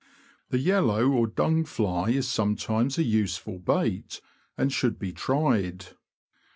The yellow or dung fly is sometimes a useful bait, and should be tried.